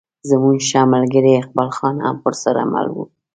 زموږ ښه ملګری اقبال خان هم ورسره مل و.